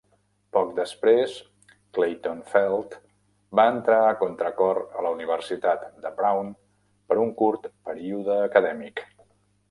Poc després, Clayton-Felt va entrar a contracor a la Universitat de Brown per un curt període acadèmic.